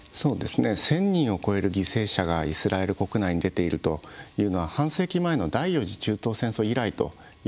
１，０００人を超える犠牲者がイスラエル国内に出ているというのは半世紀前の第四次中東戦争以来といっていいと思います。